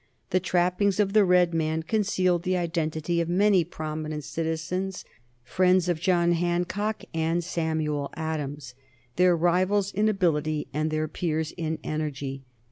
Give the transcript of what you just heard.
The trappings of the red man concealed the identity of many prominent citizens, friends of John Hancock and Samuel Adams, their rivals in ability and their peers in energy.